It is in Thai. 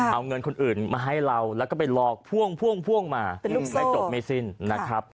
เอาเงินคนอื่นมาให้เราแล้วก็ไปหลอกพ่วงมาไม่จบไม่สิ้นนะครับ